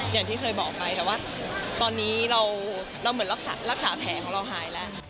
อย่างที่เคยบอกไปแต่ว่าตอนนี้เราเหมือนรักษาแผลของเราหายแล้ว